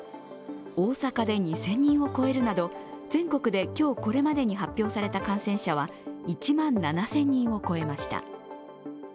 大阪で２０００人を超えるなど、全国で今日これまでに発表された感染者は１万７０００人を超えました。